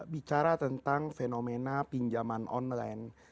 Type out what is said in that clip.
bicara tentang fenomena pinjaman online